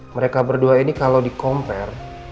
mereka berdua ini kalau di compare